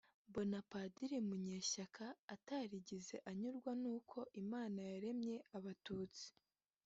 mbona Padiri Munyeshyaka atarigeze anyurwa n’uko Imana yaremye Abatutsi